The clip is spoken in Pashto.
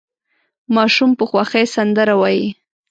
ماشوم په خوښۍ سندره وايي.